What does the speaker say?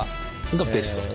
がベストと。